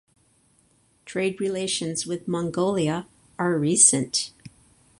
Trade relations with Mongolia are recent.